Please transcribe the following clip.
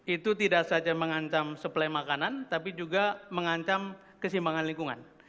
itu tidak saja mengancam suplai makanan tapi juga mengancam kesimbangan lingkungan